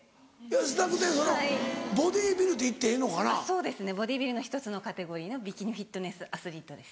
そうですねボディビルの１つのカテゴリーのビキニフィットネスアスリートです。